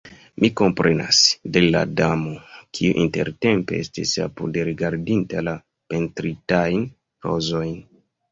"Mi komprenas," diris la Damo, kiu intertempe estis apude rigardinta la pentritajn rozojn.